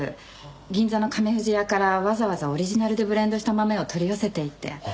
銀座の亀富士屋からわざわざオリジナルでブレンドした豆を取り寄せていて。